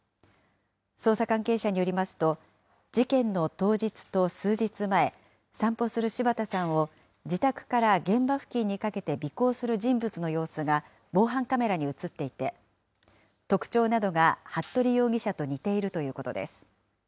捜査関係者によりますと、事件の当日と数日前、散歩する柴田さんを自宅から現場付近にかけて尾行する人物の様子が、防犯カメラに写っていて、特徴などが服部容疑者と似ているということです。